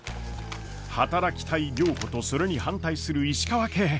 働きたい良子とそれに反対する石川家。